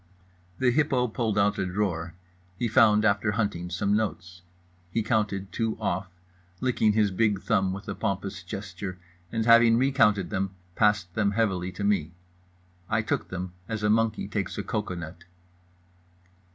The hippo pulled out a drawer. He found, after hunting, some notes. He counted two off, licking his big thumb with a pompous gesture, and having recounted them passed them heavily to me. I took them as a monkey takes a cocoanut.